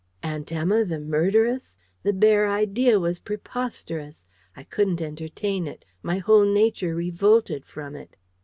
Aunt Emma the murderess! The bare idea was preposterous! I couldn't entertain it. My whole nature revolted from it.